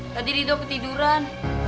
tadi rido ketiduran